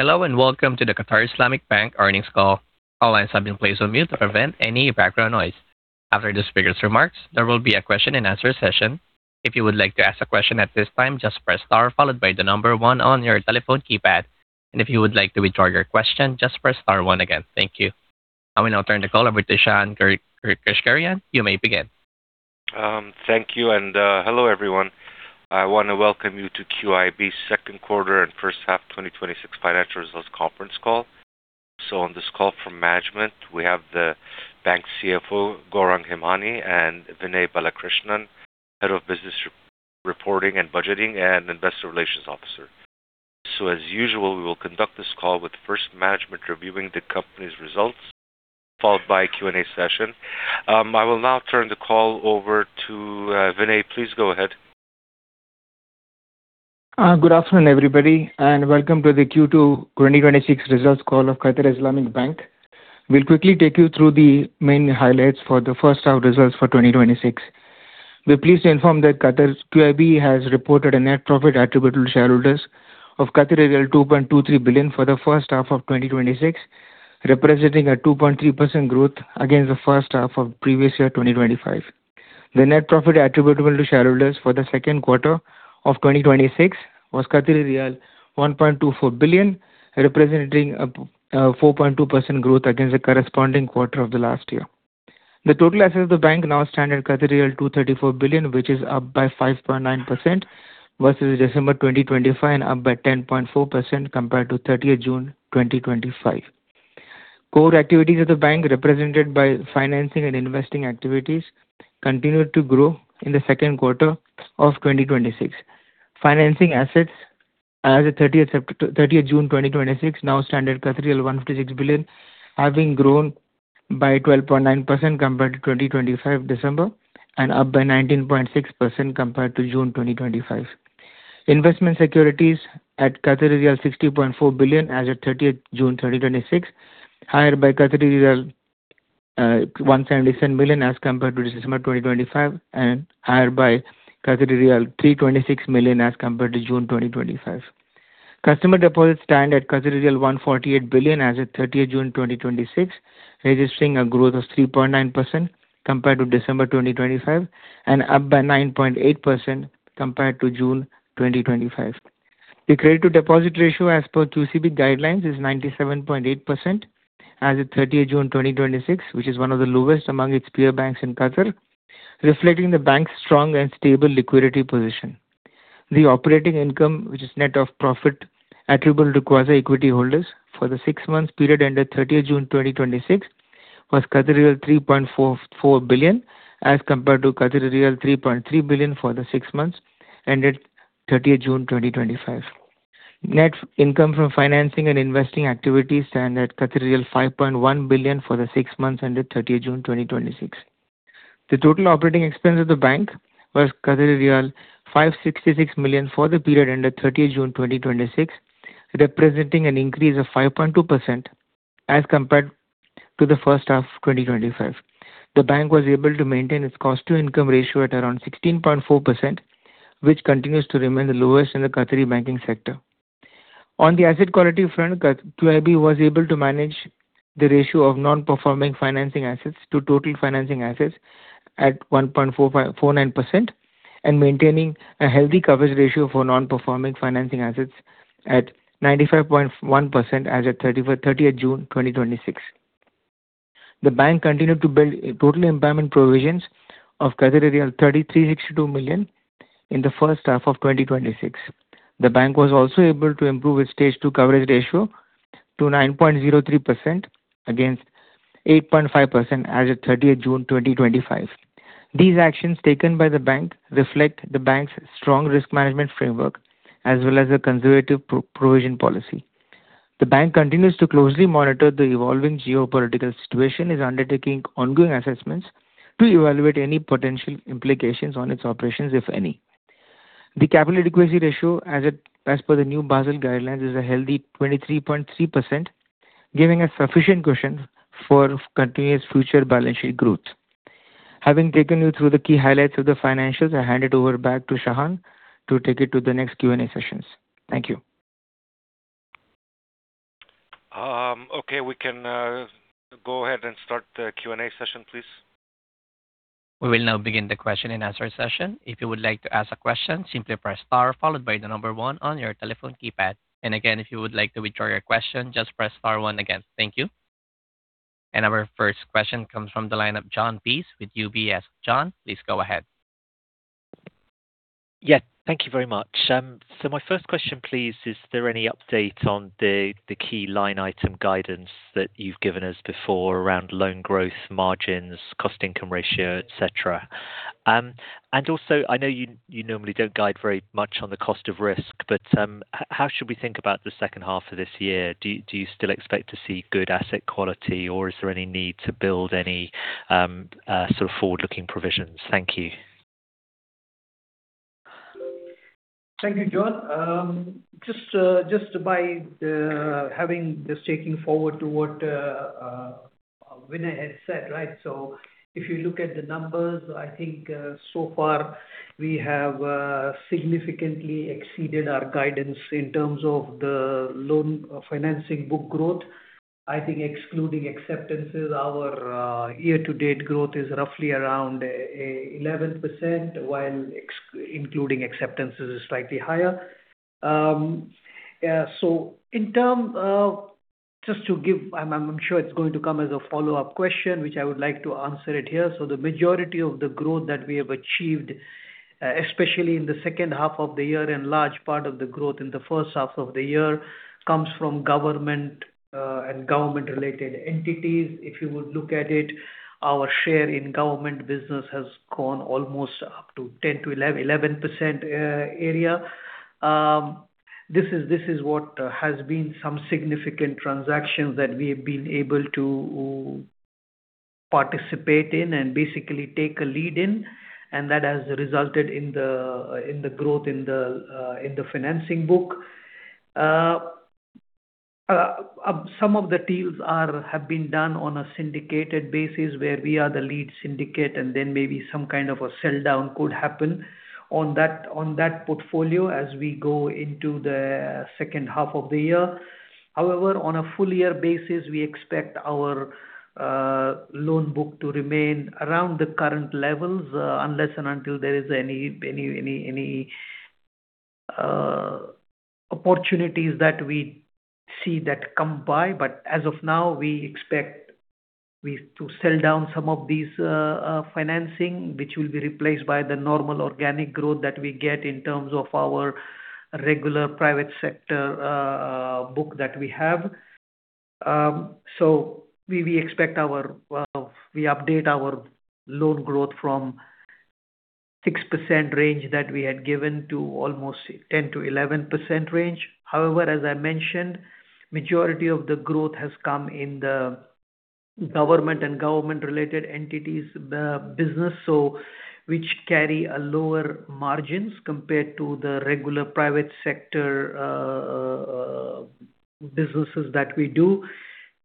Hello and welcome to the Qatar Islamic Bank earnings call. All lines have been placed on mute to prevent any background noise. After the speaker's remarks, there will be a question-and-answer session. If you would like to ask a question at this time, just press star followed by the number one on your telephone keypad. If you would like to withdraw your question, just press star one again. Thank you. I will now turn the call over to Shahan Keushgerian. You may begin. Thank you and hello everyone. I want to welcome you to QIB's second quarter and first half 2026 financial results conference call. On this call from management, we have the bank's Chief Financial Officer, Gourang Hemani, and Vinay Balakrishnan, Head of Business Reporting and Budgeting and Investor Relations Officer. As usual, we will conduct this call with first management reviewing the company's results, followed by a Q&A session. I will now turn the call over to Vinay. Please go ahead. Good afternoon, everybody and welcome to the Q2 2026 results call of Qatar Islamic Bank. We'll quickly take you through the main highlights for the first half results for 2026. We're pleased to inform that Qatar's QIB has reported a net profit attributable to shareholders of 2.23 billion for the first half of 2026, representing a 2.3% growth against the first half of previous year, 2025. The net profit attributable to shareholders for the second quarter of 2026 was riyal 1.24 billion, representing a 4.2% growth against the corresponding quarter of the last year. The total assets of the bank now stand at 234 billion, which is up by 5.9% versus December 2025 and up by 10.4% compared to 30th June 2025. Core activities of the bank represented by financing and investing activities continued to grow in the second quarter of 2026. Financing assets as of 30th June 2026, now stand at 156 billion, having grown by 12.9% compared to December 2025, up by 19.6% compared to June 2025. Investment securities at 60.4 billion as of 30th June 2026, higher by 177 million as compared to December 2025 and higher by 326 million as compared to June 2025. Customer deposits stand at 148 billion as of 30th June 2026, registering a growth of 3.9% compared to December 2025 and up by 9.8% compared to June 2025. The credit to deposit ratio as per QCB guidelines is 97.8% as of 30th June 2026, which is one of the lowest among its peer banks in Qatar, reflecting the bank's strong and stable liquidity position. The operating income, which is net of profit attributable to QIB equity holders for the six months period ended 30th June 2026, was 3.44 billion, as compared to 3.3 billion for the six months ended 30th June 2025. Net income from financing and investing activities stand at 5.1 billion for the six months ended 30th June 2026. The total operating expense of the bank was 566 million for the period ended 30th June 2026, representing an increase of 5.2% as compared to the first half of 2025. The bank was able to maintain its cost to income ratio at around 16.4%, which continues to remain the lowest in the Qatari banking sector. On the asset quality front, QIB was able to manage the ratio of non-performing financing assets to total financing assets at 1.49% and maintaining a healthy coverage ratio for non-performing financing assets at 95.1% as of 30th June 2026. The bank continued to build total impairment provisions of 3,362 million in the first half of 2026. The bank was also able to improve its stage two coverage ratio to 9.03% against 8.5% as of 30th June 2025. These actions taken by the bank reflect the bank's strong risk management framework as well as a conservative provision policy. The bank continues to closely monitor the evolving geopolitical situation, is undertaking ongoing assessments to evaluate any potential implications on its operations, if any. The capital adequacy ratio as per the new Basel guidelines is a healthy 23.3%, giving us sufficient cushion for continuous future balance sheet growth. Having taken you through the key highlights of the financials, I hand it over back to Shahan to take it to the next Q&A sessions. Thank you. Okay. We can go ahead and start the Q&A session, please. We will now begin the question-and-answer session. If you would like to ask a question, simply press star followed by the number one on your telephone keypad. And again, if you would like to withdraw your question, just press star one again. Thank you. Our first question comes from the line of John Peace with UBS. John, please go ahead. Thank you very much. My first question please, is there any update on the key line item guidance that you've given us before around loan growth margins, cost income ratio, et cetera? Also, I know you normally don't guide very much on the cost of risk, but how should we think about the second half of this year? Do you still expect to see good asset quality or is there any need to build any sort of forward-looking provisions? Thank you. Thank you, John. Just to by, the, having the staking forward to Vinay had said right. If you look at the numbers, I think so far we have significantly exceeded our guidance in terms of the loan financing book growth. I think excluding acceptances, our year-to-date growth is roughly around 11%, while including acceptances is slightly higher. I'm sure it's going to come as a follow-up question, which I would like to answer it here. The majority of the growth that we have achieved, especially in the second half of the year and large part of the growth in the first half of the year, comes from government and government-related entities. If you would look at it, our share in government business has gone almost up to 10%-11% area. This is what has been some significant transactions that we have been able to participate in and basically take a lead in. That has resulted in the growth in the financing book. Some of the deals have been done on a syndicated basis where we are the lead syndicate. Then maybe some kind of a sell-down could happen on that portfolio as we go into the second half of the year. However, on a full year basis, we expect our loan book to remain around the current levels, unless and until there are any opportunities that we see that come by. As of now, we expect to sell down some of these financing, which will be replaced by the normal organic growth that we get in terms of our regular private sector book that we have. We update our loan growth from 6% range that we had given to almost 10%-11% range. However, as I mentioned, majority of the growth has come in the government and government-related entities business which carry lower margins compared to the regular private sector businesses that we do.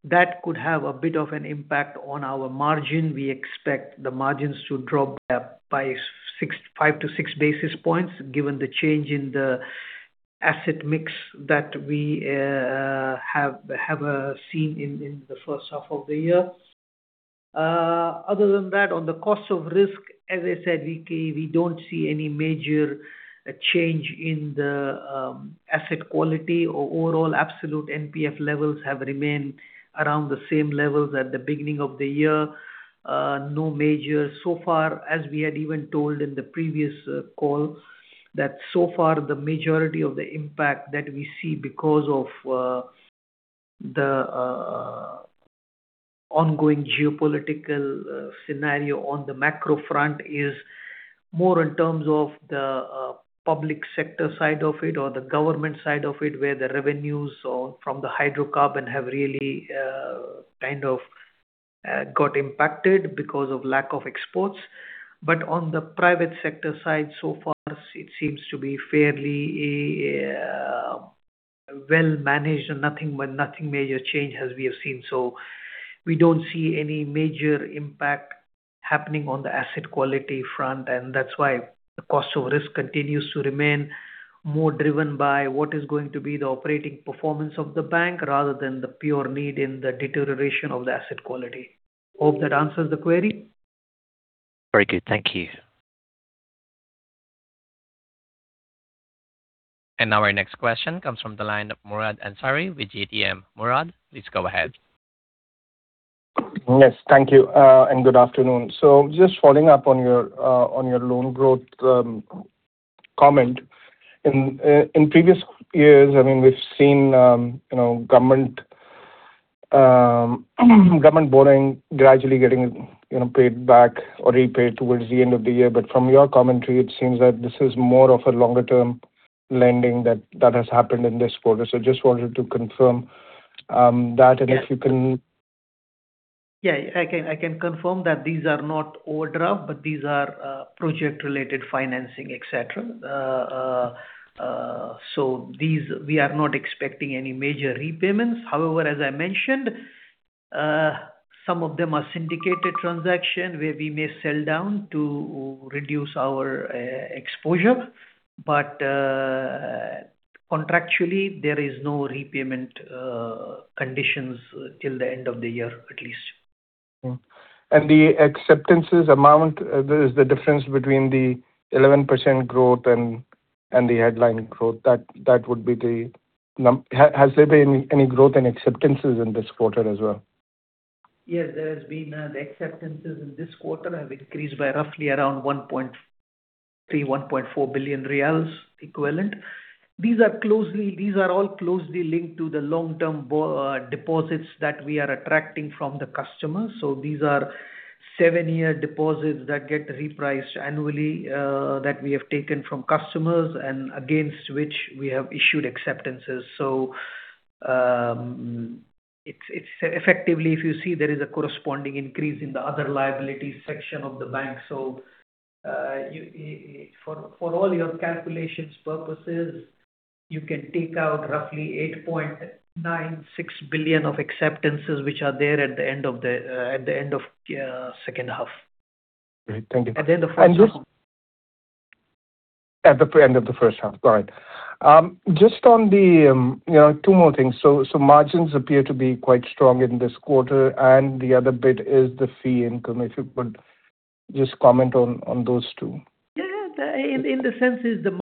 That could have a bit of an impact on our margin. We expect the margins to drop by 5 to 6 basis points given the change in the asset mix that we have seen in the first half of the year. Other than that, on the cost of risk, as I said, we don't see any major change in the asset quality. Overall absolute NPF levels have remained around the same levels at the beginning of the year. No major so far as we had even told in the previous call that so far the majority of the impact that we see because of the ongoing geopolitical scenario on the macro front is more in terms of the public sector side of it or the government side of it, where the revenues from the hydrocarbon have really kind of got impacted because of lack of exports. On the private sector side, so far it seems to be fairly well managed and nothing major change as we have seen. We don't see any major impact happening on the asset quality front and that's why the cost of risk continues to remain more driven by what is going to be the operating performance of the bank rather than the pure need in the deterioration of the asset quality. Hope that answers the query. Very good. Thank you. Question comes from the line of Murad Ansari with GTN. Murad, please go ahead. Yes, thank you and good afternoon. Just following up on your loan growth comment. In previous years, we've seen government borrowing gradually getting paid back or repaid towards the end of the year. From your commentary, it seems that this is more of a longer-term lending that has happened in this quarter. Just wanted to confirm that and if you can. Yeah, I can confirm that these are not overdraft, but these are project-related financing, et cetera. These, we are not expecting any major repayments. However, as I mentioned, some of them are syndicated transaction where we may sell down to reduce our exposure. Contractually, there is no repayment conditions till the end of the year at least. The acceptances amount is the difference between the 11% growth and the headline growth. That would be the. Has there been any growth in acceptances in this quarter as well? Yes, there has been. The acceptances in this quarter have increased by roughly around 1.3 billion, 1.4 billion riyals equivalent. These are all closely linked to the long-term deposits that we are attracting from the customers. These are seven-year deposits that get repriced annually that we have taken from customers and against which we have issued acceptances. It's effectively, if you see there is a corresponding increase in the other liability section of the bank. For all your calculations purposes. You can take out roughly 8.96 billion of acceptances which are there at the end of second half. Great. Thank you. At the end of the first half. At the end of the first half. All right. Just two more things. Margins appear to be quite strong in this quarter, and the other bit is the fee income. If you could just comment on those two. The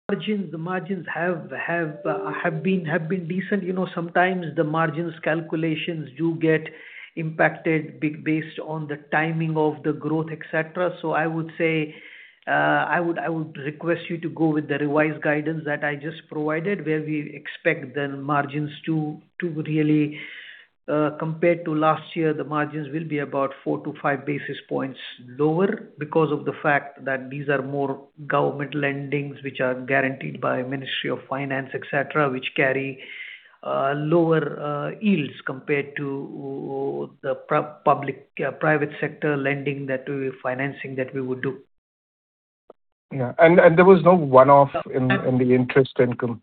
margins have been decent. Sometimes the margins calculations do get impacted based on the timing of the growth, et cetera. I would request you to go with the revised guidance that I just provided, where we expect the margins to really, compared to last year, the margins will be about 4 to 5 basis points lower because of the fact that these are more governmental endings, which are guaranteed by Ministry of Finance, et cetera, which carry lower yields compared to the private sector lending, financing that we would do. There was no one-off in the interest income,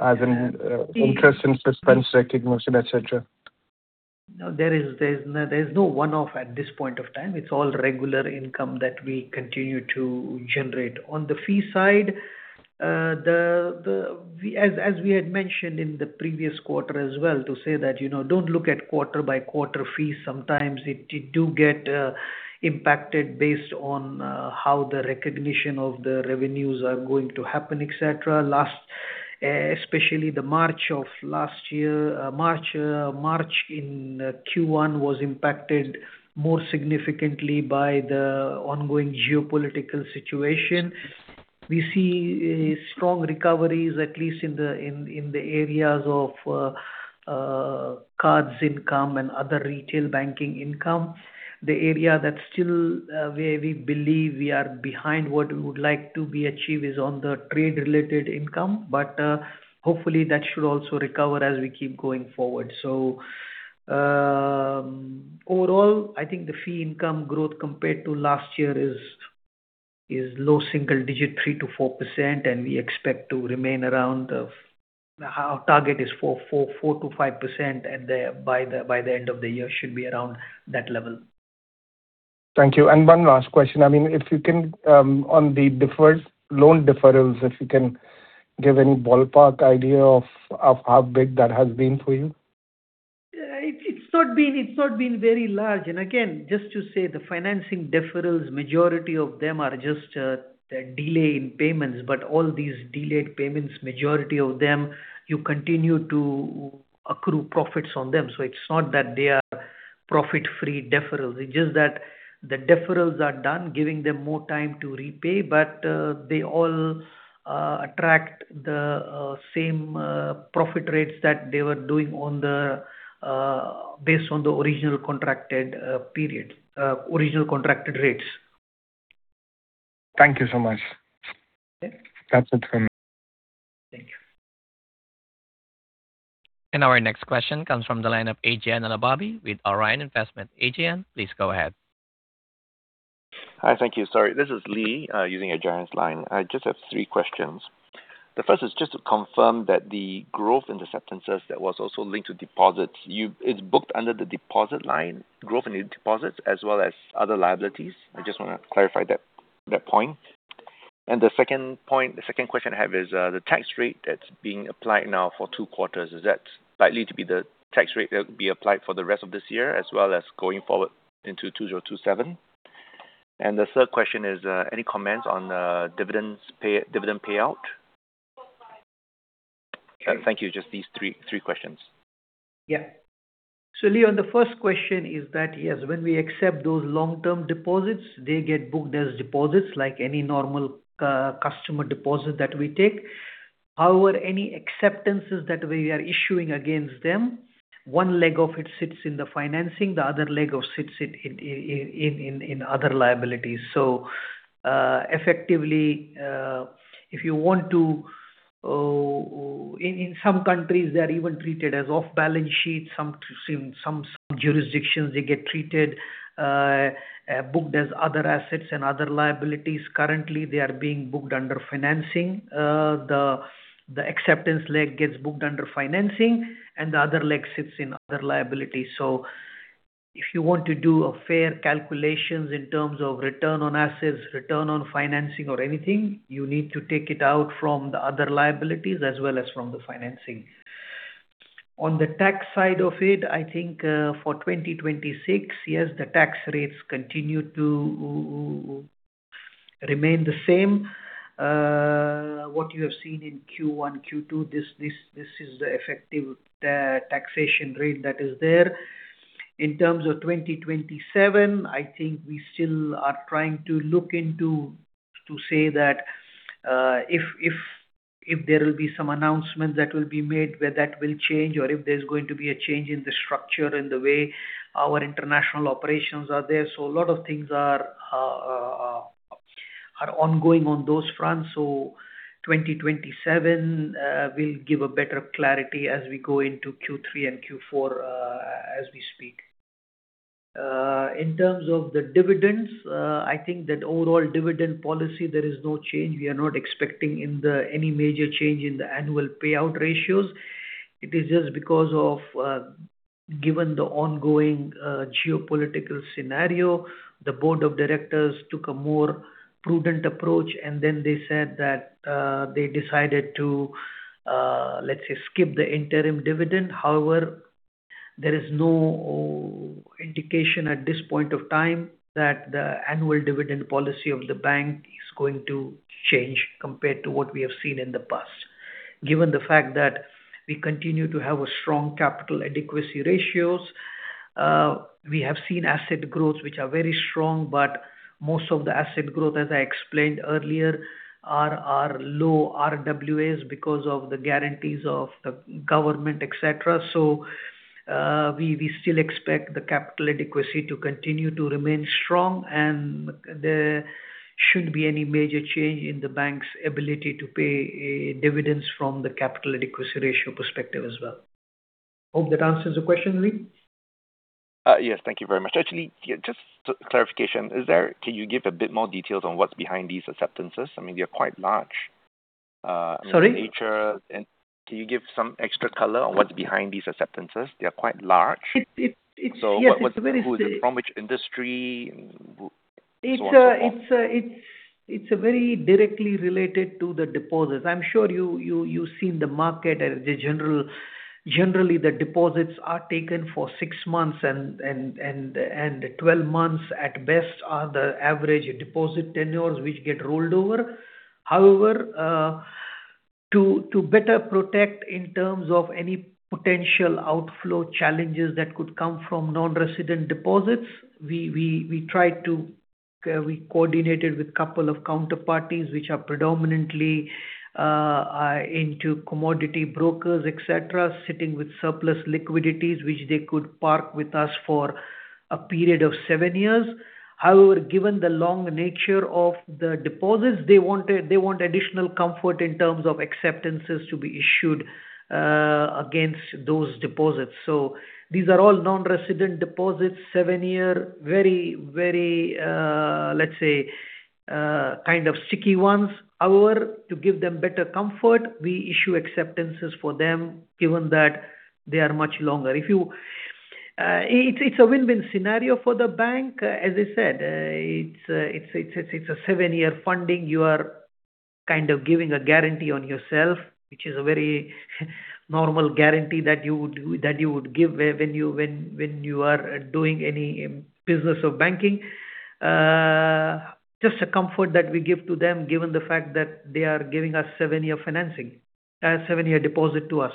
as in interest and suspense recognition, et cetera. There is no one-off at this point of time. It's all regular income that we continue to generate. On the fee side, as we had mentioned in the previous quarter as well, to say that, don't look at quarter-by-quarter fees. Sometimes it do get impacted based on how the recognition of the revenues are going to happen, et cetera. Especially the March of last year, March in Q1 was impacted more significantly by the ongoing geopolitical situation. We see strong recoveries, at least in the areas of cards income and other retail banking income. The area where we believe we are behind what we would like to achieve is on the trade-related income. Hopefully that should also recover as we keep going forward. Overall, I think the fee income growth compared to last year is low single digit 3%-4%. Our target is 4%-5% by the end of the year, should be around that level. Thank you. One last question. If you can, on the loan deferrals, if you can give any ballpark idea of how big that has been for you? It's not been very large. Again, just to say, the financing deferrals, majority of them are just a delay in payments, but all these delayed payments, majority of them, you continue to accrue profits on them. It's not that they are profit-free deferrals, it's just that the deferrals are done giving them more time to repay. They all attract the same profit rates that they were doing based on the original contracted rates. Thank you so much. Okay. That's it from me. Thank you. Our next question comes from the line of Ejayan Al-ahbabi with Al Rayan Investment. Ejayan, please go ahead. Hi. Thank you. Sorry, this is Lee, using Ejayan's line. I just have three questions. The first is just to confirm that the growth in the acceptances that was also linked to deposits. It's booked under the deposit line, growth in deposits as well as other liabilities? I just want to clarify that point. The second question I have is, the tax rate that's being applied now for two quarters, is that likely to be the tax rate that will be applied for the rest of this year as well as going forward into 2027? The third question is, any comments on dividend payout? Okay. Thank you. Just these three questions. So, Lee, on the first question is that yes, when we accept those long-term deposits, they get booked as deposits like any normal customer deposit that we take. However, any acceptances that we are issuing against them, one leg of it sits in the financing, the other leg sits in other liabilities. Effectively, in some countries, they're even treated as off-balance-sheet. Some jurisdictions they get booked as other assets and other liabilities. Currently, they are being booked under financing. The acceptance leg gets booked under financing and the other leg sits in other liabilities. If you want to do a fair calculations in terms of return on assets, return on financing or anything, you need to take it out from the other liabilities as well as from the financing. On the tax side of it, I think for 2026, yes, the tax rates continue to remain the same. What you have seen in Q1, Q2, this is the effective taxation rate that is there. In terms of 2027, I think we still are trying to look into to say that if there will be some announcement that will be made where that will change or if there's going to be a change in the structure in the way our international operations are there. A lot of things are ongoing on those fronts. 2027, we'll give a better clarity as we go into Q3 and Q4, as we speak. In terms of the dividends, I think that overall dividend policy, there is no change. We are not expecting any major change in the annual payout ratios. It is just because of, given the ongoing geopolitical scenario, the board of directors took a more prudent approach, they said that they decided to, let's say, skip the interim dividend. However, there is no indication at this point of time that the annual dividend policy of the bank is going to change compared to what we have seen in the past, given the fact that we continue to have a strong capital adequacy ratios. We have seen asset growths which are very strong, but most of the asset growth, as I explained earlier, are low RWAs because of the guarantees of the government, et cetera. We still expect the capital adequacy to continue to remain strong, and there shouldn't be any major change in the bank's ability to pay dividends from the capital adequacy ratio perspective as well. Hope that answers the question, Lee. Yes. Thank you very much. Actually, just clarification. Can you give a bit more details on what's behind these acceptances? They're quite large. Sorry? In nature, can you give some extra color on what's behind these acceptances? They are quite large. Yes. From which industry, and so on? It's very directly related to the deposits. I'm sure you've seen the market. Generally, the deposits are taken for six months and 12 months at best are the average deposit tenures which get rolled over. However, to better protect in terms of any potential outflow challenges that could come from non-resident deposits, we coordinated with couple of counterparties, which are predominantly into commodity brokers, et cetera, sitting with surplus liquidities, which they could park with us for a period of seven years. However, given the long nature of the deposits, they want additional comfort in terms of acceptances to be issued against those deposits. These are all non-resident deposits, seven-year, very, let's say, kind of sticky ones. However, to give them better comfort, we issue acceptances for them given that they are much longer. It's a win-win scenario for the bank. As I said, it's a seven-year funding. You are kind of giving a guarantee on yourself, which is a very normal guarantee that you would give when you are doing any business of banking. Just a comfort that we give to them given the fact that they are giving us seven-year deposit to us.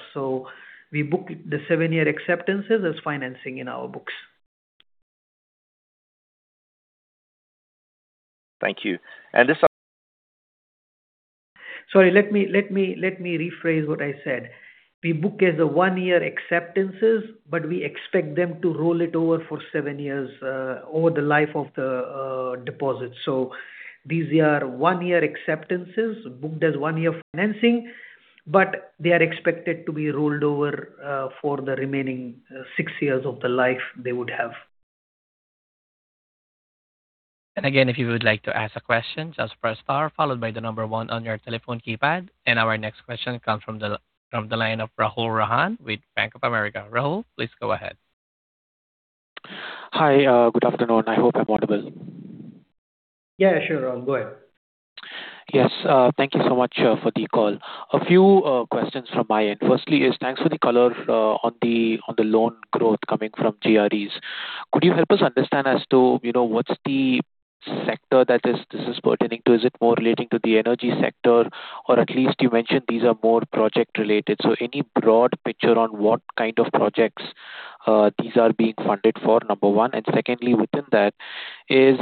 We book the seven-year acceptances as financing in our books. Thank you. Sorry. Let me rephrase what I said. We book as a one-year acceptances, but we expect them to roll it over for seven years, over the life of the deposit. These are one-year acceptances, booked as one-year financing, but they are expected to be rolled over for the remaining six years of the life they would have. Again, if you would like to ask a question, just press star followed by the number one on your telephone keypad. Our next question comes from the line of Rahul Rajan with Bank of America. Rahul, please go ahead. Hi. Good afternoon. I hope I'm audible. Yeah, sure, Rahul. Go ahead. Yes. Thank you so much for the call. A few questions from my end. Firstly, is thanks for the color on the loan growth coming from GREs. Could you help us understand as to what's the sector that this is pertaining to? Is it more relating to the energy sector? You mentioned these are more project-related. Any broad picture on what kind of projects these are being funded for, number one. Secondly, within that is,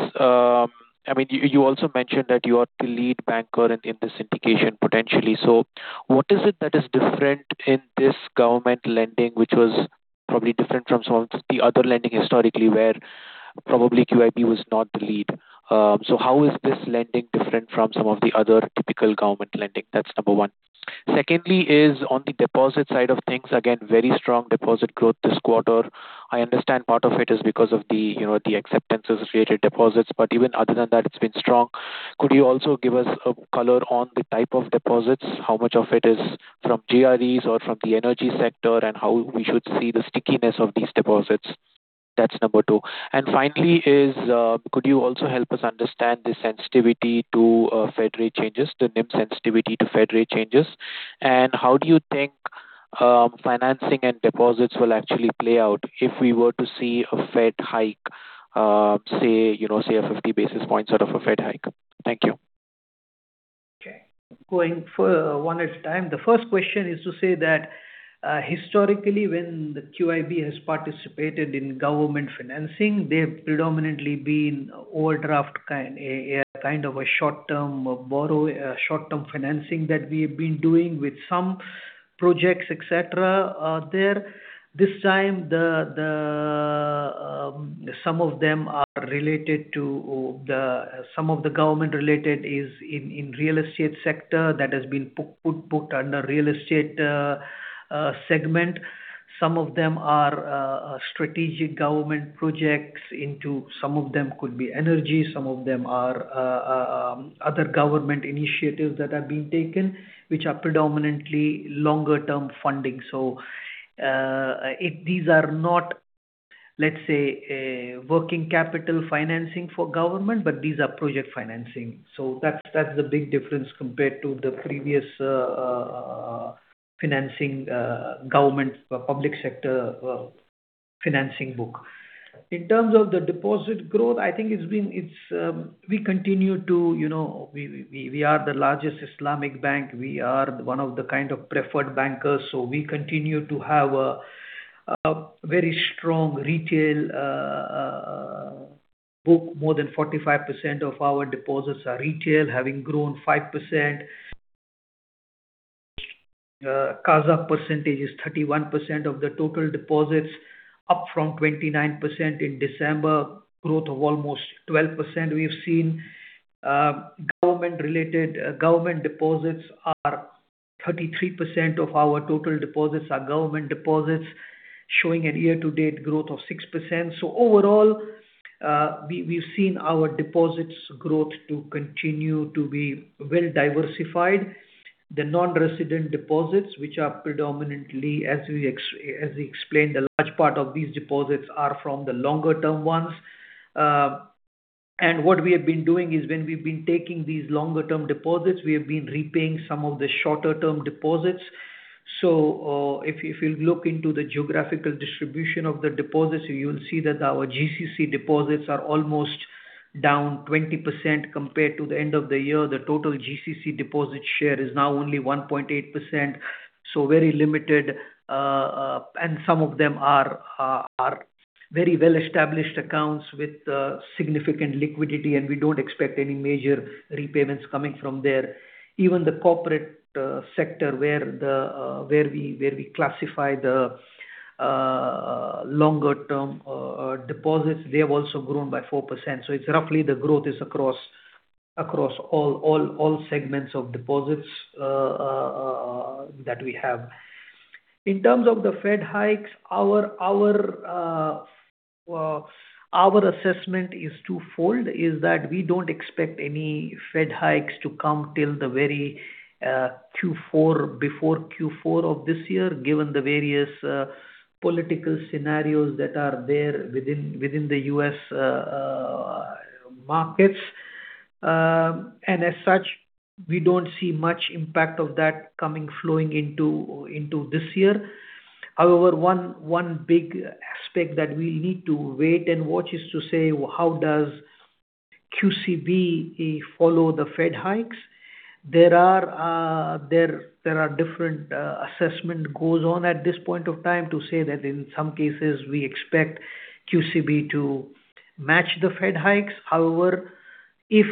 you also mentioned that you are the lead banker in the syndication, potentially. What is it that is different in this government lending, which was probably different from some of the other lending historically where probably QIB was not the lead? How is this lending different from some of the other typical government lending? That's number one. Secondly is on the deposit side of things. Again, very strong deposit growth this quarter. I understand part of it is because of the acceptances-related deposits. Even other than that, it's been strong. Could you also give us a color on the type of deposits, how much of it is from GREs or from the energy sector, and how we should see the stickiness of these deposits? That's number two. Finally is, could you also help us understand the sensitivity to Fed rate changes, the NIM sensitivity to Fed rate changes? How do you think financing and deposits will actually play out if we were to see a Fed hike, say, 50 basis points sort of a Fed hike? Thank you. Okay. Going one at a time. The first question is to say that historically, when the QIB has participated in government financing, they've predominantly been over-draft, a kind of a short-term financing that we've been doing with some projects, et cetera, there. This time, some of the government-related is in real estate sector. That has been put under real estate segment. Some of them are strategic government projects into, some of them could be energy, some of them are other government initiatives that are being taken, which are predominantly longer term funding. These are not, let's say, working capital financing for government, but these are project financing. That's the big difference compared to the previous financing government public sector financing book. In terms of the deposit growth, we are the largest Islamic bank. We are one of the kind of preferred bankers. We continue to have a very strong retail book. More than 45% of our deposits are retail, having grown 5%. CASA percentage is 31% of the total deposits, up from 29% in December, growth of almost 12%. We have seen government deposits are 33% of our total deposits are government deposits, showing a year-to-date growth of 6%. Overall, we've seen our deposits growth to continue to be well-diversified. The non-resident deposits, which are predominantly, as we explained, a large part of these deposits are from the longer term ones. What we have been doing is when we've been taking these longer term deposits, we have been repaying some of the shorter term deposits. If you'll look into the geographical distribution of the deposits, you will see that our GCC deposits are almost down 20% compared to the end of the year. The total GCC deposit share is now only 1.8%, so very limited. Some of them are very well-established accounts with significant liquidity, and we don't expect any major repayments coming from there. Even the corporate sector where we classify the longer term deposits, they have also grown by 4%. It's roughly the growth is across all segments of deposits that we have. In terms of the Fed hikes, our assessment is twofold, is that we don't expect any Fed hikes to come till the very Q4, before Q4 of this year, given the various political scenarios that are there within the U.S. markets. As such, we don't see much impact of that coming flowing into this year. However, one big aspect that we need to wait and watch is to say, how does QCB follow the Fed hikes? There are different assessment goes on at this point of time to say that in some cases, we expect QCB to match the Fed hikes. However, if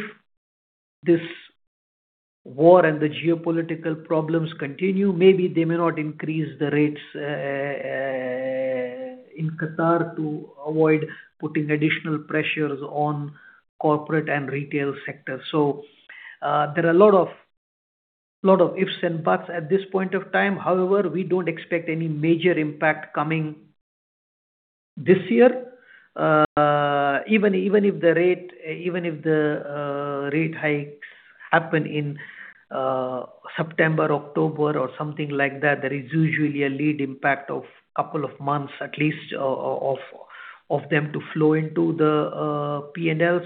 this war and the geopolitical problems continue, maybe they may not increase the rates in Qatar to avoid putting additional pressures on corporate and retail sectors. There are a lot of ifs and buts at this point of time. However, we don't expect any major impact coming this year. Even if the rate hikes happen in September, October, or something like that, there is usually a lead impact of couple of months at least of them to flow into the P&L.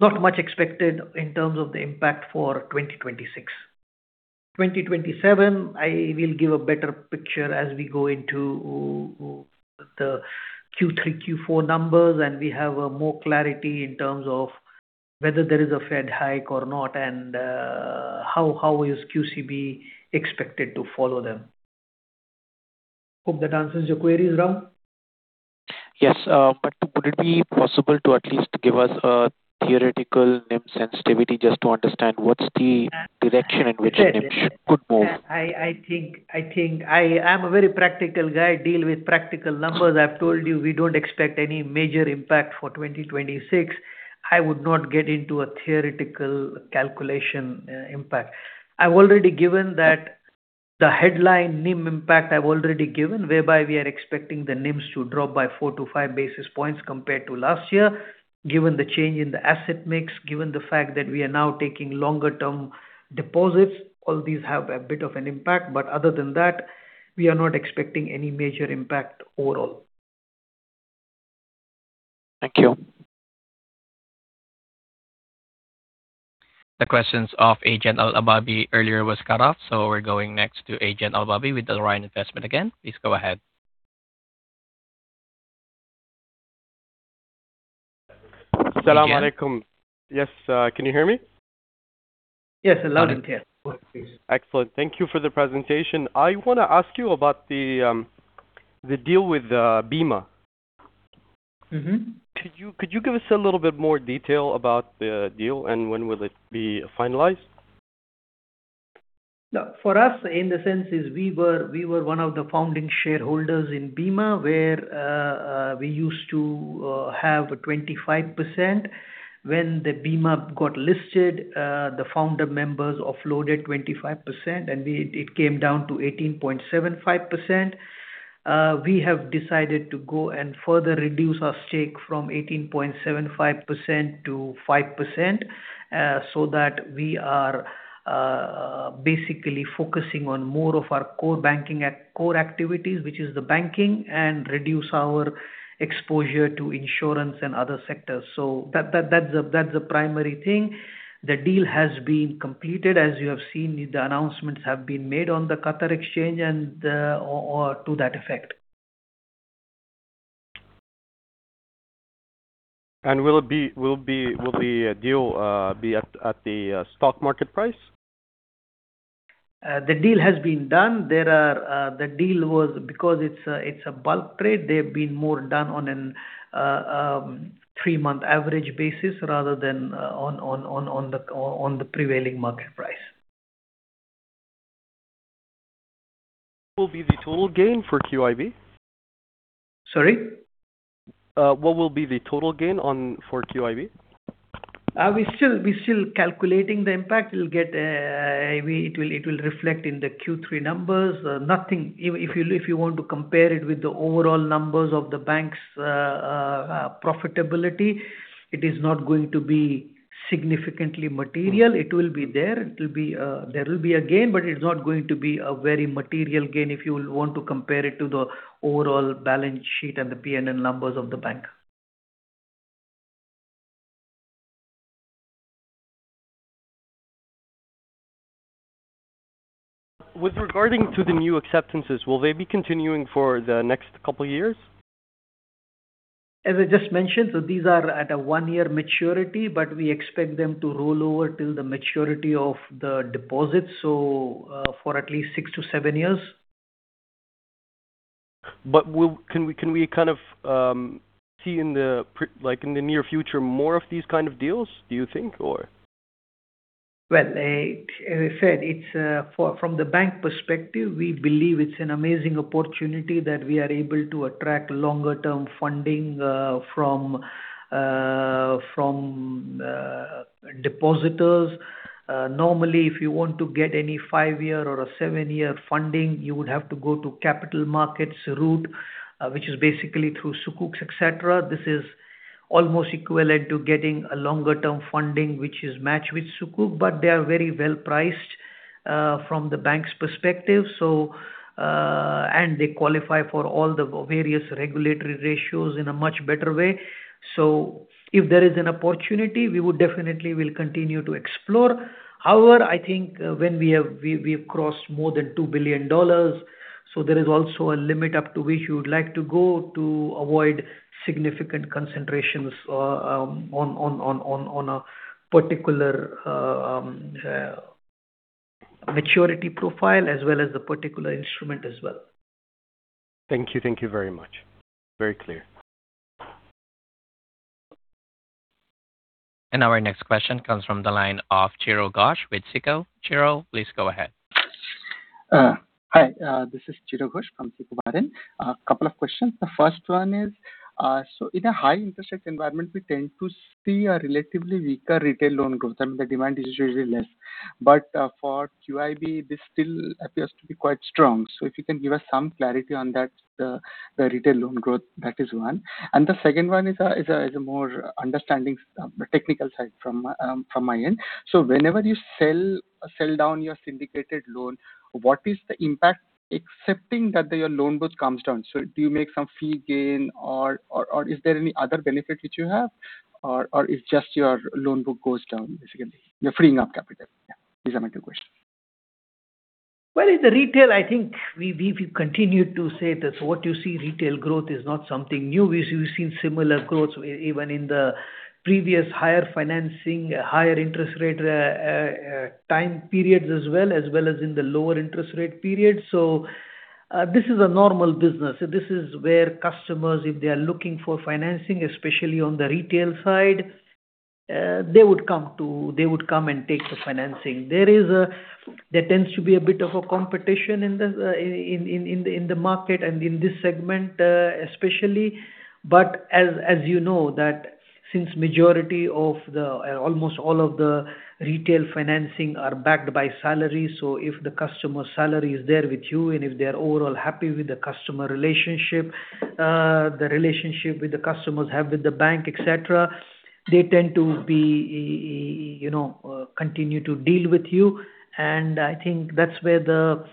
Not much expected in terms of the impact for 2026. 2027, I will give a better picture as we go into the Q3, Q4 numbers, and we have more clarity in terms of whether there is a Fed hike or not, and how is QCB expected to follow them. Hope that answers your queries, Rahul. Yes. Could it be possible to at least give us a theoretical NIM sensitivity just to understand what is the direction in which the NIM should move? I am a very practical guy, deal with practical numbers. I've told you we don't expect any major impact for 2026. I would not get into a theoretical calculation impact. The headline NIM impact I've already given, whereby we are expecting the NIMs to drop by four to five basis points compared to last year, given the change in the asset mix, given the fact that we are now taking longer term deposits. All these have a bit of an impact, but other than that, we are not expecting any major impact overall. Thank you. The questions of Ejayan Al-ahbabi earlier was cut off. We're going next to Ejayan Al-ahbabi with the Al Rayan Investment again. Please go ahead. Salam Alaikum. Yes, can you hear me? Yes, loud and clear. Go ahead, please. Excellent. Thank you for the presentation. I want to ask you about the deal with Beema. Could you give us a little bit more detail about the deal, and when will it be finalized? For us, in the sense is we were one of the founding shareholders in Beema, where we used to have 25%. When the Beema got listed, the founder members offloaded 25%, and it came down to 18.75%. We have decided to go and further reduce our stake from 18.75% to 5%, so that we are basically focusing on more of our core activities, which is the banking and reduce our exposure to insurance and other sectors. So that's the primary thing. The deal has been completed. As you have seen, the announcements have been made on the Qatar Stock Exchange to that effect. Will the deal be at the stock market price? The deal has been done. Because it's a bulk trade, they've been more done on a three-month average basis rather than on the prevailing market price. What will be the total gain for QIB? Sorry? What will be the total gain on for QIB? We're still calculating the impact. It will reflect in the Q3 numbers. Nothing. If you want to compare it with the overall numbers of the bank's profitability, it is not going to be significantly material. It will be there. There will be a gain, but it's not going to be a very material gain if you want to compare it to the overall balance sheet and the P&L numbers of the bank. With regarding to the new acceptances, will they be continuing for the next couple years? As I just mentioned, these are at a one-year maturity, but we expect them to roll over till the maturity of the deposit, so for at least six to seven years. Can we see in the near future more of these kind of deals, do you think? Well, as I said from the bank perspective, we believe it's an amazing opportunity that we are able to attract longer-term funding from depositors. Normally, if you want to get any five-year or a seven-year funding, you would have to go to capital markets route, which is basically through Sukuk's, et cetera. This is almost equivalent to getting a longer-term funding which is matched with Sukuk, but they are very well priced from the bank's perspective. They qualify for all the various regulatory ratios in a much better way. If there is an opportunity, we would definitely continue to explore. However, I think when we have crossed more than $2 billion, there is also a limit up to which you would like to go to avoid significant concentrations on a particular maturity profile as well as the particular instrument as well. Thank you. Thank you very much. Very clear. Our next question comes from the line of Chiro Ghosh with SICO. Chiro, please go ahead. Hi, this is Chiro Ghosh from SICO. A couple of questions. The first one is, in a high interest rate environment, we tend to see a relatively weaker retail loan growth, and the demand is usually less. For QIB, this still appears to be quite strong. If you can give us some clarity on that, the retail loan growth. That is one. The second one is a more understanding technical side from my end. Whenever you sell down your syndicated loan, what is the impact, excepting that your loan book comes down? Do you make some fee gain or is there any other benefit which you have or it's just your loan book goes down, basically? You're freeing up capital. Yeah. These are my two questions. Well, in the retail, I think we continue to say that what you see retail growth is not something new. We've seen similar growth even in the previous higher financing, higher interest rate time periods as well, as well as in the lower interest rate periods. This is a normal business. This is where customers, if they are looking for financing, especially on the retail side, they would come and take the financing. There tends to be a bit of a competition in the market and in this segment especially. As you know, that since majority of the, almost all of the retail financing are backed by salary. If the customer's salary is there with you and if they're overall happy with the customer relationship, the relationship with the customers have with the bank, et cetera, they tend to continue to deal with you. I think that's where the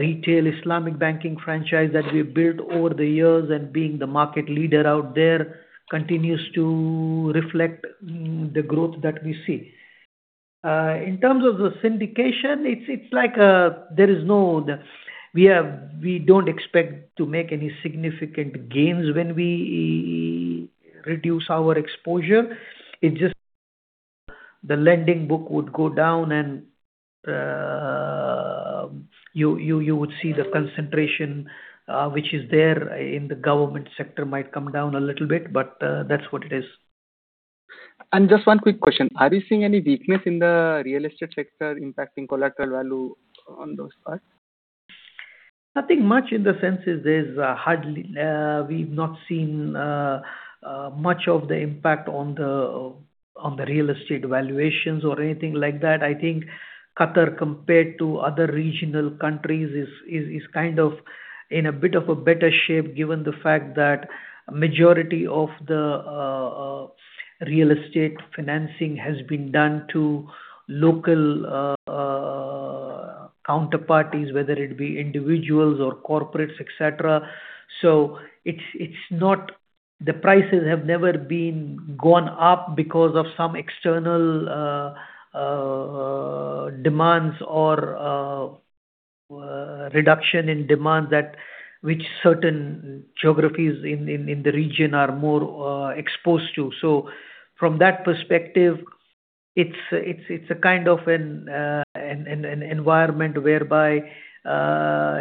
retail Islamic banking franchise that we've built over the years and being the market leader out there continues to reflect the growth that we see. In terms of the syndication, we don't expect to make any significant gains when we reduce our exposure. It's just the lending book would go down and you would see the concentration which is there in the government sector might come down a little bit, but that's what it is. Just one quick question. Are you seeing any weakness in the real estate sector impacting collateral value on those parts? Nothing much in the sense that we've not seen much of the impact on the real estate valuations or anything like that. I think Qatar, compared to other regional countries, is in a bit of a better shape, given the fact that a majority of the real estate financing has been done to local counterparties, whether it be individuals or corporates, et cetera. The prices have never gone up because of some external demands or reduction in demand that which certain geographies in the region are more exposed to. From that perspective, it's a kind of an environment whereby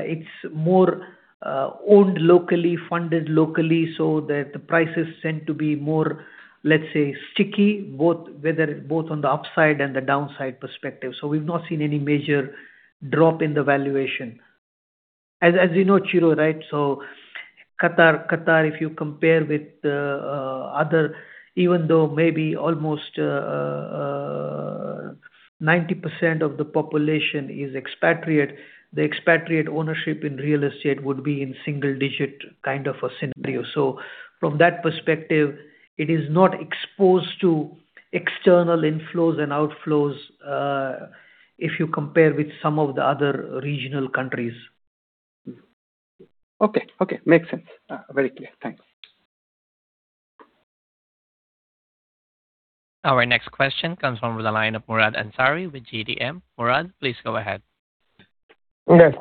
it's more owned locally, funded locally, so that the prices tend to be more, let's say, sticky, both on the upside and the downside perspective. We've not seen any major drop in the valuation. As you know, Chiro, right? Qatar, if you compare with other, even though maybe almost 90% of the population is expatriate, the expatriate ownership in real estate would be in single digit kind of a scenario. From that perspective, it is not exposed to external inflows and outflows, if you compare with some of the other regional countries. Okay. Makes sense. Very clear. Thanks. Our next question comes from the line of Murad Ansari with GTN. Murad, please go ahead. Okay.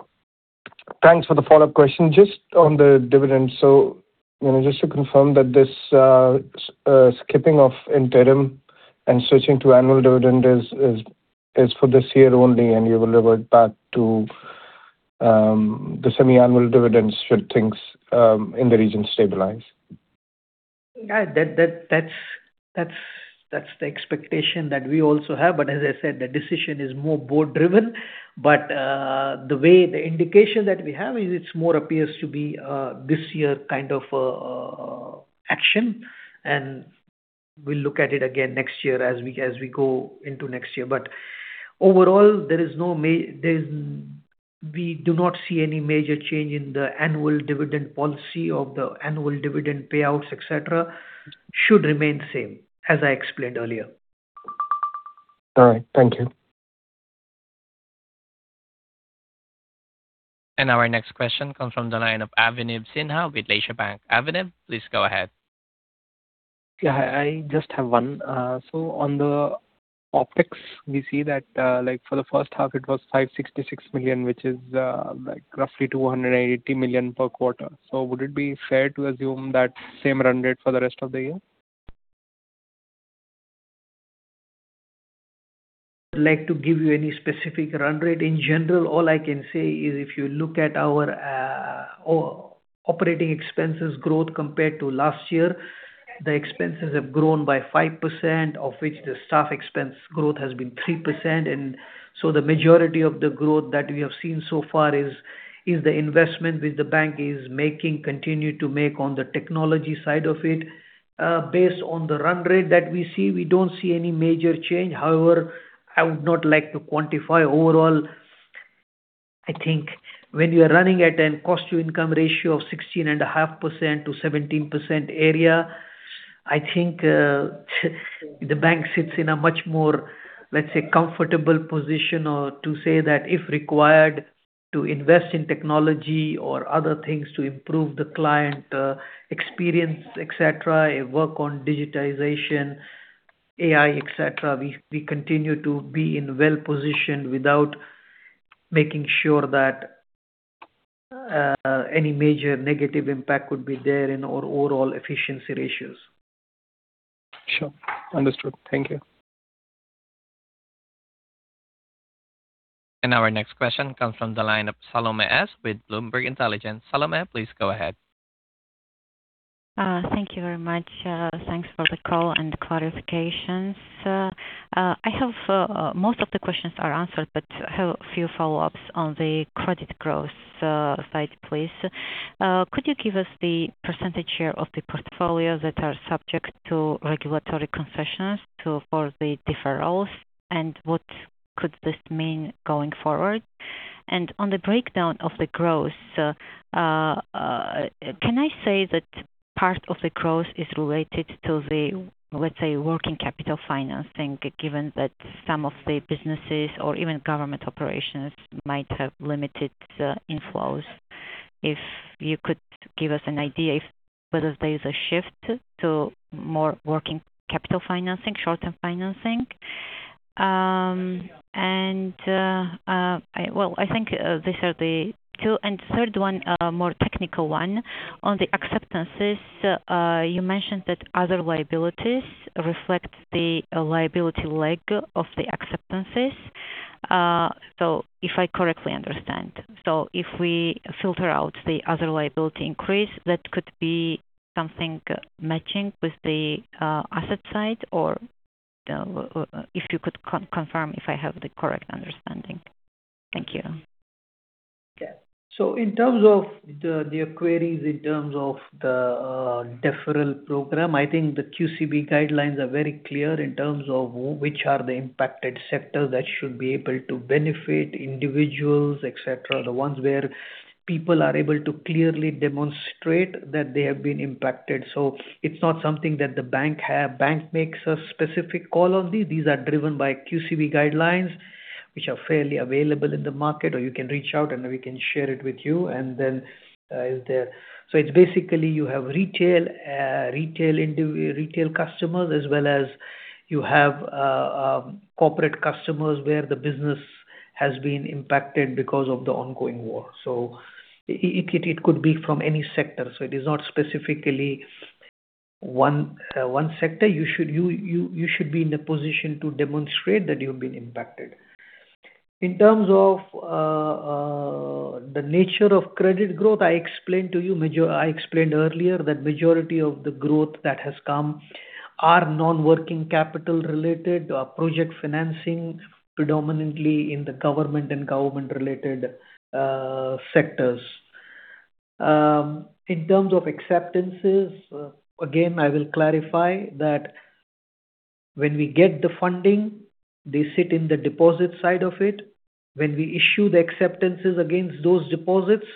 Thanks for the follow-up question. Just on the dividend, just to confirm that this skipping of interim and switching to annual dividend is for this year only, and you will revert back to the semi-annual dividends should things in the region stabilize? Yeah. That's the expectation that we also have, but as I said, the decision is more board-driven. The way the indication that we have is it more appears to be a this year kind of action, and we'll look at it again next year as we go into next year. Overall, we do not see any major change in the annual dividend policy of the annual dividend payouts, et cetera, should remain the same, as I explained earlier. All right. Thank you. Our next question comes from the line of Abhinav Sinha with Lesha Bank. Abhinav, please go ahead. I just have one. On the OpEx, we see that for the first half, it was 566 million, which is roughly 280 million per quarter. Would it be fair to assume that same run rate for the rest of the year? I'd like to give you any specific run rate. In general, all I can say is if you look at our operating expenses growth compared to last year, the expenses have grown by 5%, of which the staff expense growth has been 3%. The majority of the growth that we have seen so far is the investment which the bank is making, continue to make on the technology side of it. Based on the run rate that we see, we don't see any major change. However, I would not like to quantify. Overall, I think when you are running at a cost to income ratio of 16.5%-17% area, I think the bank sits in a much more, let's say, comfortable position or to say that if required to invest in technology or other things to improve the client experience, et cetera, work on digitization, AI, et cetera. We continue to be in well-positioned without making sure that any major negative impact would be there in our overall efficiency ratios. Sure. Understood. Thank you. Our next question comes from the line of Salome S. with Bloomberg Intelligence. Salome, please go ahead. Thank you very much. Thanks for the call and the clarifications. Most of the questions are answered, but I have a few follow-ups on the credit growth side, please. Could you give us the percentage share of the portfolios that are subject to regulatory concessions for the deferrals, and what could this mean going forward? On the breakdown of the growth, can I say that part of the growth is related to the, let's say, working capital financing, given that some of the businesses or even government operations might have limited inflows? If you could give us an idea whether there's a shift to more working capital financing, short-term financing. Well, I think these are the two. Third one, more technical one. On the acceptances, you mentioned that other liabilities reflect the liability leg of the acceptances, if I correctly understand. If we filter out the other liability increase, that could be something matching with the asset side. If you could confirm if I have the correct understanding. Thank you. Okay. In terms of your queries in terms of the deferral program, I think the QCB guidelines are very clear in terms of which are the impacted sectors that should be able to benefit individuals, et cetera, the ones where people are able to clearly demonstrate that they have been impacted. It's not something that the bank makes a specific call on these. These are driven by QCB guidelines, which are fairly available in the market, or you can reach out and we can share it with you. It's basically you have retail customers as well as you have corporate customers where the business has been impacted because of the ongoing war. It could be from any sector. It is not specifically one sector. You should be in a position to demonstrate that you've been impacted. I explained earlier that majority of the growth that has come are non-working capital related, are project financing predominantly in the government and government-related sectors. In terms of acceptances, again, I will clarify that when we get the funding, they sit in the deposit side of it. When we issue the acceptances against those deposits,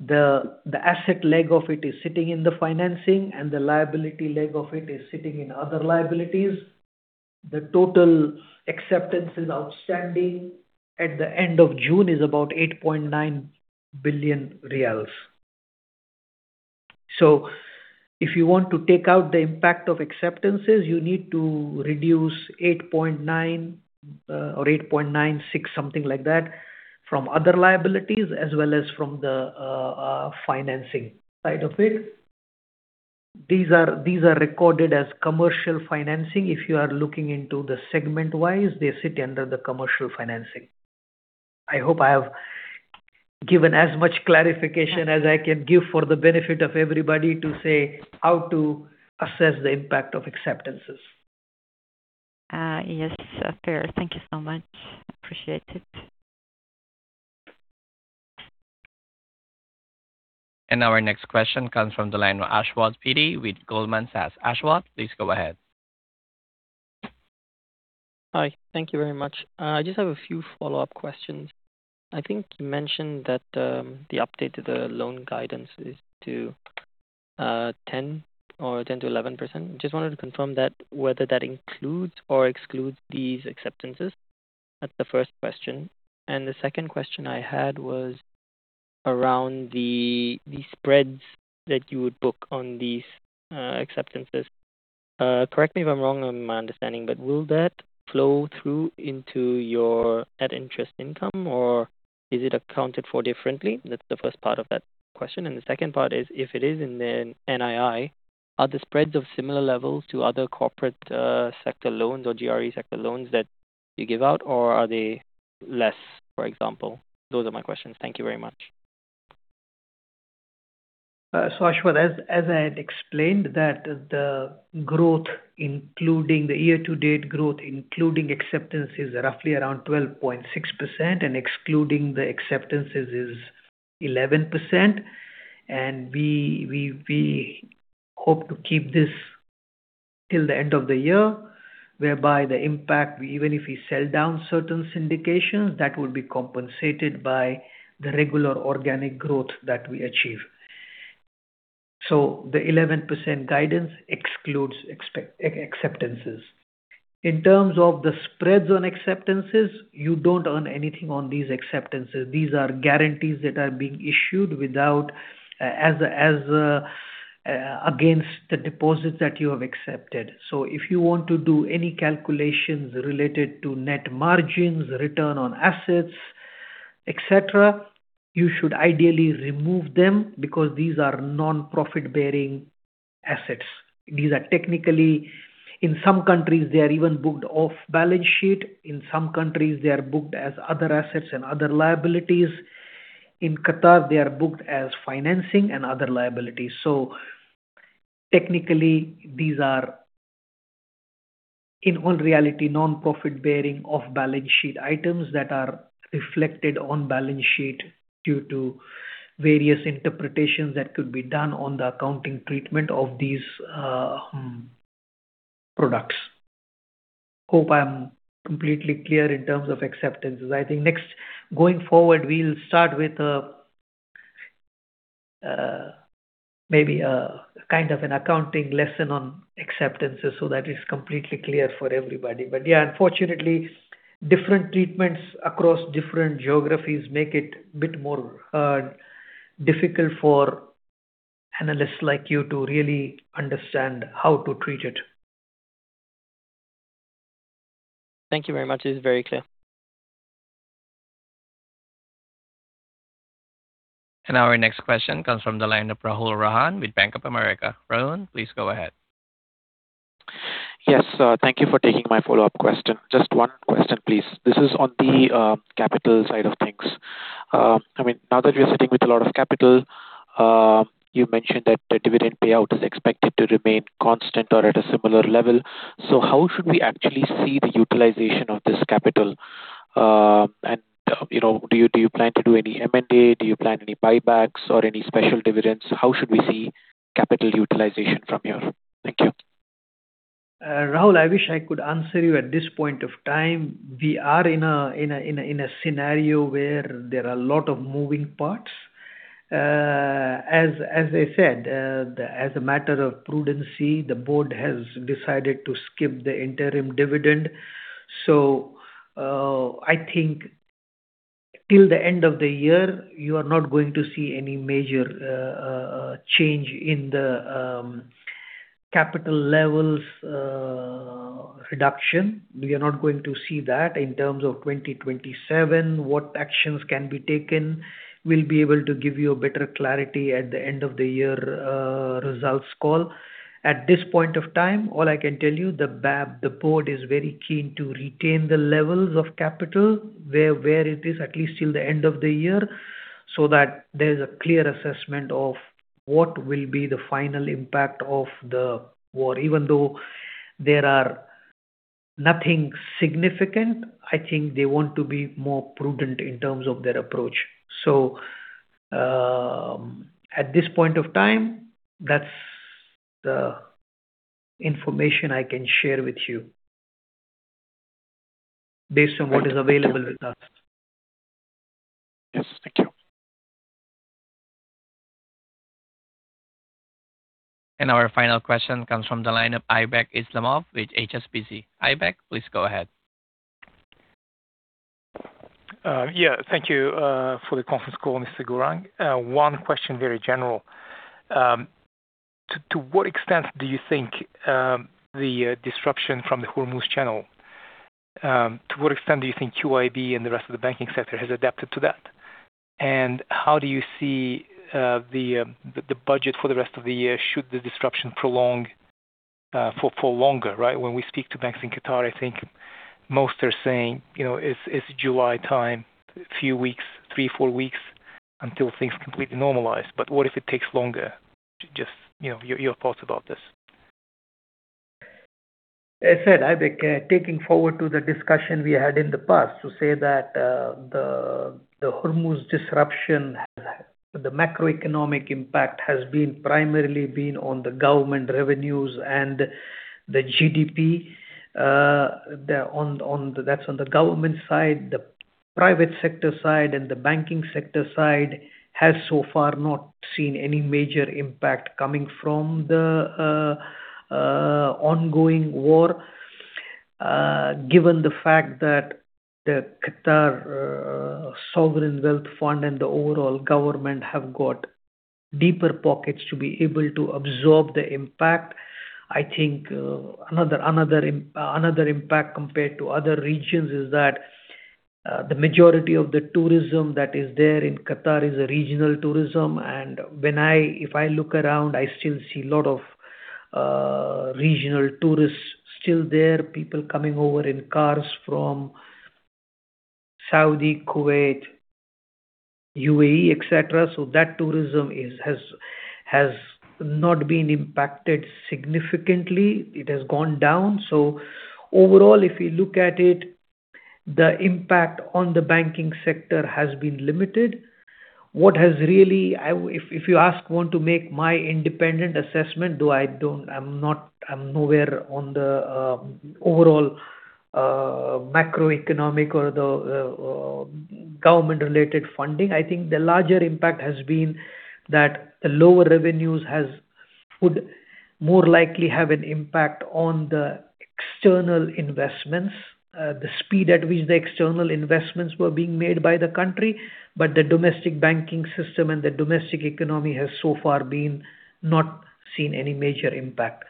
the asset leg of it is sitting in the financing and the liability leg of it is sitting in other liabilities. The total acceptances outstanding at the end of June is about 8.9 billion riyals. If you want to take out the impact of acceptances, you need to reduce 8.9 billion or 8.96 billion, something like that, from other liabilities as well as from the financing side of it. These are recorded as commercial financing. If you are looking into the segment-wise, they sit under the commercial financing. I hope I have given as much clarification as I can give for the benefit of everybody to say how to assess the impact of acceptances. Yes, fair. Thank you so much. Appreciate it. Our next question comes from the line of Ashwath P T with Goldman Sachs. Ashwath, please go ahead. Hi. Thank you very much. I just have a few follow-up questions. I think you mentioned that the update to the loan guidance is to 10% or 10%-11%. Just wanted to confirm that whether that includes or excludes these acceptances. That's the first question. The second question I had was around the spreads that you would book on these acceptances. Correct me if I'm wrong on my understanding, will that flow through into your NII or is it accounted for differently? That's the first part of that question. The second part is, if it is in the NII, are the spreads of similar levels to other corporate sector loans or GRE sector loans that you give out, or are they less, for example? Those are my questions. Thank you very much. Ashwath, as I had explained that the year-to-date growth, including acceptance, is roughly around 12.6% and excluding the acceptances is 11%. We hope to keep this till the end of the year, whereby the impact, even if we sell down certain syndications, that will be compensated by the regular organic growth that we achieve. The 11% guidance excludes acceptances. In terms of the spreads on acceptances, you don't earn anything on these acceptances. These are guarantees that are being issued against the deposits that you have accepted. If you want to do any calculations related to net margins, return on assets, et cetera, you should ideally remove them because these are non-profit-bearing assets. These are technically, in some countries, they are even booked off balance sheet. In some countries, they are booked as other assets and other liabilities. In Qatar, they are booked as financing and other liabilities. Technically, these are, in all reality, non-profit bearing off-balance sheet items that are reflected on balance sheet due to various interpretations that could be done on the accounting treatment of these products. Hope I'm completely clear in terms of acceptances. I think next, going forward, we'll start with maybe a kind of an accounting lesson on acceptances so that is completely clear for everybody. Yeah, unfortunately, different treatments across different geographies make it a bit more difficult for analysts like you to really understand how to treat it. Thank you very much. It is very clear. Our next question comes from the line of Rahul Rajan with Bank of America. Rahul, please go ahead. Yes. Thank you for taking my follow-up question. Just one question, please. This is on the capital side of things. Now that you're sitting with a lot of capital, you mentioned that the dividend payout is expected to remain constant or at a similar level. How should we actually see the utilization of this capital? Do you plan to do any M&A? Do you plan any buybacks or any special dividends? How should we see capital utilization from here? Thank you. Rahul, I wish I could answer you at this point of time. We are in a scenario where there are a lot of moving parts. As I said, as a matter of prudency, the board has decided to skip the interim dividend. I think till the end of the year, you are not going to see any major change in the capital levels reduction. We are not going to see that. In terms of 2027, what actions can be taken, we'll be able to give you a better clarity at the end of the year results call. At this point of time, all I can tell you, the board is very keen to retain the levels of capital where it is, at least till the end of the year, so that there's a clear assessment of what will be the final impact of the war. Even though there are nothing significant, I think they want to be more prudent in terms of their approach. At this point of time, that's the information I can share with you based on what is available with us. Yes. Thank you. Our final question comes from the line of Aybek Islamov with HSBC. Aybek, please go ahead. Thank you for the conference call, Mr. Gourang. One question, very general. To what extent do you think QIB and the rest of the banking sector has adapted to the disruption from the Hormuz channel? How do you see the budget for the rest of the year should the disruption prolong for longer? When we speak to banks in Qatar, I think most are saying, it's July time, a few weeks, three, four weeks, until things completely normalize. What if it takes longer? Just your thoughts about this. As said, Aybek, taking forward to the discussion we had in the past to say that the Hormuz disruption, the macroeconomic impact has primarily been on the government revenues and the GDP. That's on the government side. The private sector side and the banking sector side has so far not seen any major impact coming from the ongoing war, given the fact that the Qatar Sovereign Wealth Fund and the overall government have got deeper pockets to be able to absorb the impact. I think another impact compared to other regions is that the majority of the tourism that is there in Qatar is regional tourism. If I look around, I still see a lot of regional tourists still there, people coming over in cars from Saudi, Kuwait, UAE, et cetera. That tourism has not been impacted significantly. It has gone down. Overall, if you look at it, the impact on the banking sector has been limited. If you want to make my independent assessment, though I'm nowhere on the overall macroeconomic or the government-related funding, I think the larger impact has been that the lower revenues would more likely have an impact on the external investments, the speed at which the external investments were being made by the country. The domestic banking system and the domestic economy has so far not seen any major impact.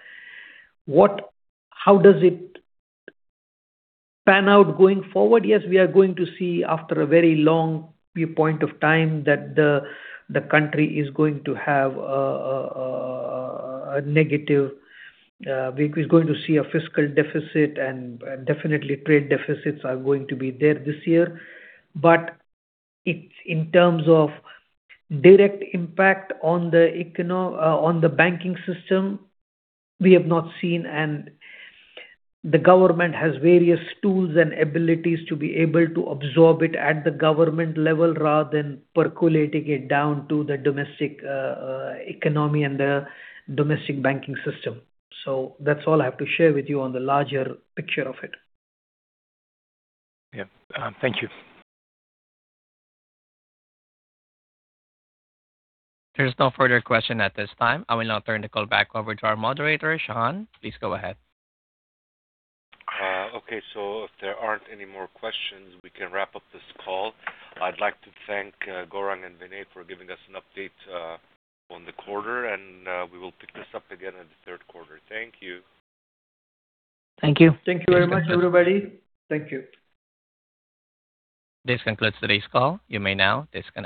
How does it pan out going forward? Yes, we are going to see after a very long viewpoint of time that the country is going to have a negative. We're going to see a fiscal deficit, and definitely trade deficits are going to be there this year. In terms of direct impact on the banking system, we have not seen, and the government has various tools and abilities to be able to absorb it at the government level rather than percolating it down to the domestic economy and the domestic banking system. That's all I have to share with you on the larger picture of it. Yeah. Thank you. There's no further question at this time. I will now turn the call back over to our moderator, Shahan. Please go ahead. If there aren't any more questions, we can wrap up this call. I'd like to thank Gourang and Vinay for giving us an update on the quarter, and we will pick this up again in the third quarter. Thank you. Thank you. Thank you very much, everybody. Thank you. This concludes today's call. You may now disconnect.